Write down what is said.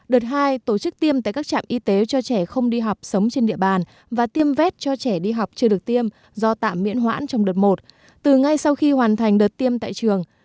đợt hai tổ chức tiêm tại các trạm y tế cho trẻ không đi học sống trên địa bàn và tiêm vét cho trẻ đi học chưa được tiêm do tạm miễn hoãn trong đợt một từ ngay sau khi hoàn thành đợt tiêm tại trường